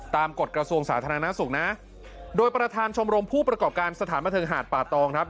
กฎกระทรวงสาธารณสุขนะโดยประธานชมรมผู้ประกอบการสถานบันเทิงหาดป่าตองครับ